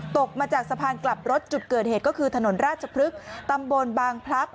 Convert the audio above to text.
ตกมาจากสะพานกลับรถจุดเกิดเหตุก็คือถนนราชพฤกษ์ตำบลบางพลักษ